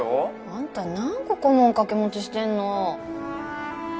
アンタ何個顧問掛け持ちしてんの